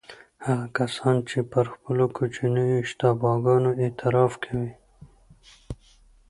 هغه کسان چې پر خپلو کوچنیو اشتباه ګانو اعتراف کوي.